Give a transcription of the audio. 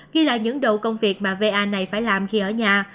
ghi lại những đầu công việc mà va này phải làm khi ở nhà